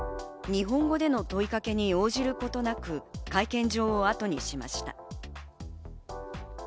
日本語での問いかけに応じることなく会見場をあとにしました。